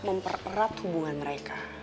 mempererat hubungan mereka